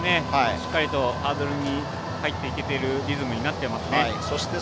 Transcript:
しっかりとハードルに入っていけるようになっていますね。